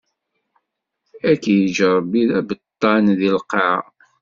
Ad k-iǧǧ Ṛebbi d abeṭṭan di lqaɛ!